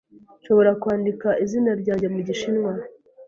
Nshobora kwandika izina ryanjye mu Gishinwa.